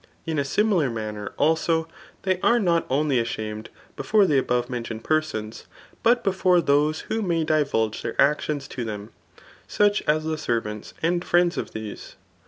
In a omilar mftflk ner, also, they are not only ashamed before the abbve*' mentioned persons, but befoi^ those who may divulge their acdons to them, such as the servants and friends of these.